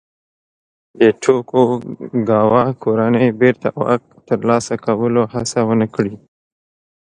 د توکوګاوا کورنۍ بېرته واک ترلاسه کولو هڅه ونه کړي.